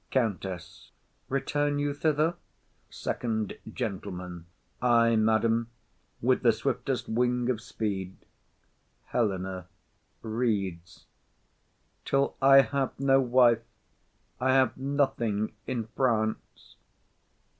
COUNTESS. Return you thither? FIRST GENTLEMAN. Ay, madam, with the swiftest wing of speed. HELENA. [Reads.] _Till I have no wife, I have nothing in France.